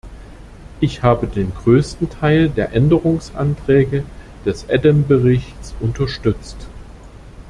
Ich habe den größten Teil der Änderungsanträge des Adam-Berichts unterstützt.